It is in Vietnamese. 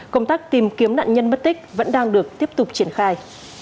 công tác tìm kiếm nạn nhân mất tích vẫn đang được tiếp tục triển khai